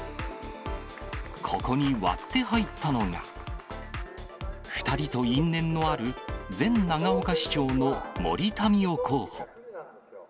ここに割って入ったのが、２人と因縁のある、前長岡市長の森民夫候補。